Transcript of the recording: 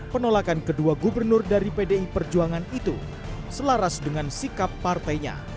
penolakan kedua gubernur dari pdi perjuangan itu selaras dengan sikap partainya